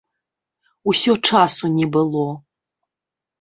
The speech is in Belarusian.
Усё часу не было.